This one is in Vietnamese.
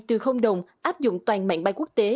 từ đồng áp dụng toàn mạng bay quốc tế